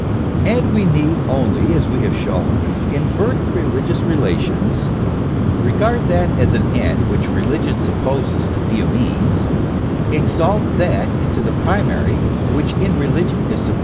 And we need only, as we have shown, invert the religious relations regard that as an end which religion supposes to be a means exalt that into the primary which in religion is sub 272 THE ESSENCE OF CHRISTIANITY.